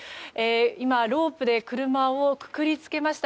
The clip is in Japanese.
今、ロープで車をくくりつけました。